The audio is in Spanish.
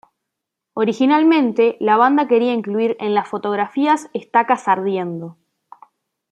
Originalmente, la banda quería incluir en las fotografías estacas ardiendo.